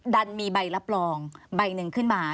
ดันมีใบรับรองใบหนึ่งขึ้นมา